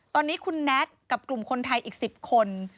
ตอนนี้คุณแน็ตกับกลุ่มคนไทยอีก๑๐คน